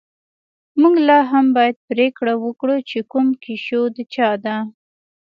موږ لاهم باید پریکړه وکړو چې کوم کشو د چا ده